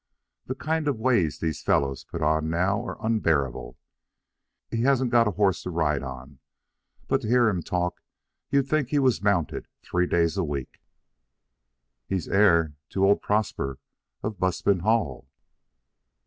The kind of ways these fellows put on now are unbearable. He hasn't got a horse to ride on, but to hear him talk you'd think he was mounted three days a week." "He's heir to old Prosper, of Buston Hall."